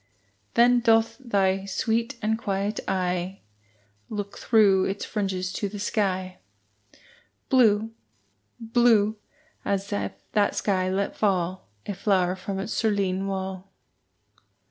Then doth thy sweet and quiet eye Look through its fringes to the sky, Blue blue as if that sky let fall A flower from its cerulean wall.